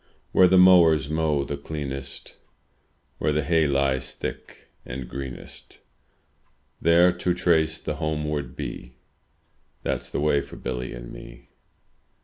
Where the mowers mow the cleanest. Where the hay lies thick and greenest, — There to trace the homeward bee. That's the way for Billy and me.